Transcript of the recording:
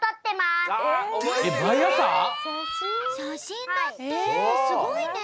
すごいね。